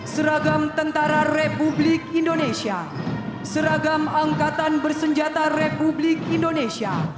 seragam tentara republik indonesia seragam angkatan bersenjata republik indonesia